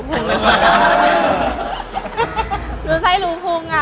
ฉันรู้ใจรู้พรุ้งอ่ะ